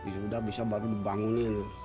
sudah bisa baru dibangunin